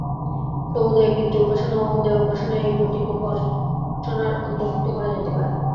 সমুদয় পিতৃ-উপাসনা ও দেবোপাসনা এই প্রতীকোপাসনার অন্তর্ভুক্ত করা যাইতে পারে।